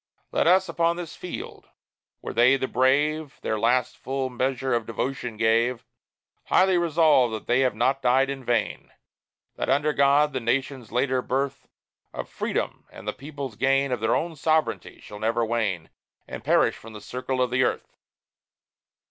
Let us, upon this field where they, the brave, Their last full measure of devotion gave, Highly resolve they have not died in vain! That, under God, the Nation's later birth Of Freedom, and the people's gain Of their own Sovereignty, shall never wane And perish from the circle of the earth!"